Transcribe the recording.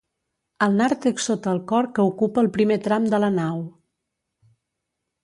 El nàrtex sota el cor que ocupa el primer tram de la nau.